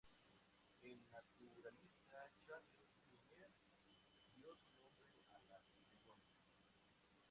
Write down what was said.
El naturalista Charles Plumier dio su nombre a la begonia.